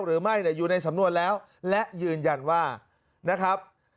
หรือไม่อยู่ในสำนวนแล้วและยืนยันว่านะครับ